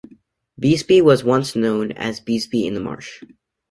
Beesby was once known as Beesby in the Marsh.